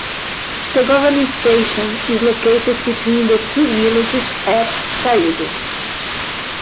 The government station is located between the two villages at Taribo.